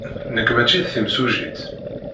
Nekk maci d timsujjit.